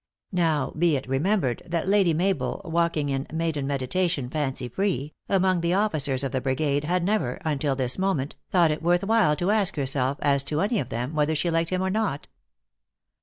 Now, be it remembered, that Lady Ma THE ACTRESS IN HIGH LIFE. 48 bel, walking in "maiden meditation, fancy free," among the officers of the brigade, had never, until this moment, thought it worth while to ask herself, as to any 6f them, whether she liked him or not.